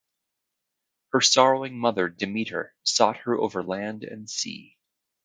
Her sorrowing mother Demeter sought her over land and sea.